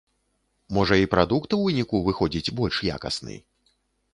Можа і прадукт у выніку выходзіць больш якасны?